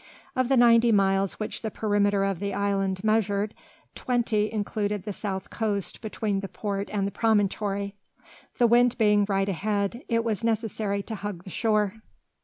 Of the ninety miles which the perimeter of the island measured, twenty included the south coast between the port and the promontory. The wind being right ahead, it was necessary to hug the shore.